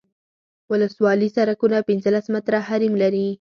ولسوالي سرکونه پنځلس متره حریم لري